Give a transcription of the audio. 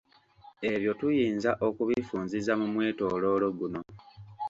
Ebyo tuyinza okubifunziza mu mwetoloolo guno.